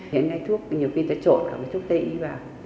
hiện nay thuốc nhiều khi ta trộn cả với thuốc tây y vào